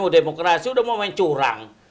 demokrasi udah mau main curang